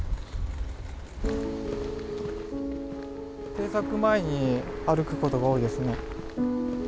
制作前に歩くことが多いですね。